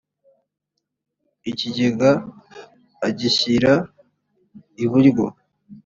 ikigega agishyira iburyo